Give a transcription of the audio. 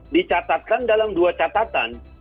dicatatkan dalam dua catatan